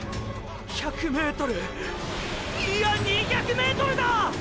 １００ｍいや２００ｍだ！！